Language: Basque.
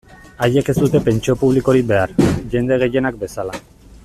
Haiek ez dute pentsio publikorik behar, jende gehienak bezala.